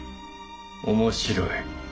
面白い。